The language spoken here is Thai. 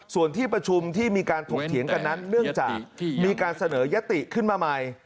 ส่วนที่ประชุมที่มีการถกเถียงกันนั้นเนื่องจากมีการเสนอยติขึ้นมาใหม่